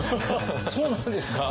そうなんですか。